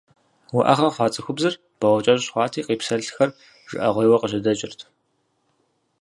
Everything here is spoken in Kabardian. Уӏэгъэ хъуа цӏыхубзыр бауэкӏэщӏ хъуати къипсэлъхэр жыӏэгъуейуэ къыжьэдэкӏырт.